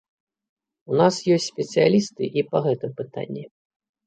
У нас ёсць спецыялісты і па гэтым пытанні.